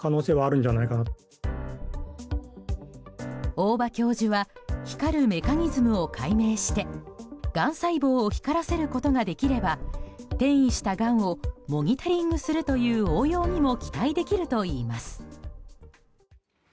大場教授は光るメカニズムを解明してがん細胞を光らせることができれば転移したがんをモニタリングするという応用にも期待できるといいます。